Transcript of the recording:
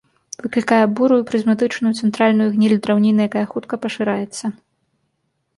Выклікае бурую, прызматычную, цэнтральную гніль драўніны, якая хутка пашыраецца.